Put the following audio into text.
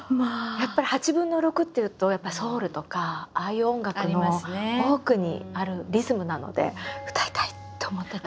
やっぱり８分の６っていうとソウルとかああいう音楽の多くにあるリズムなので歌いたいって思ってた。